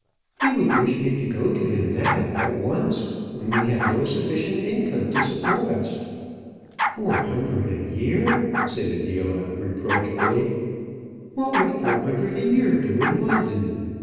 "He would wish me to go to him now, at once; when we have no sufficient income to support us." "Four hundred a year!" said Adela, reproachfully. "What would four hundred a year do in London?